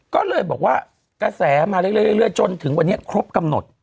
ก็เลยบอกว่ากระแสมาเรื่อยจนถึงวันนี้ครบกำหนด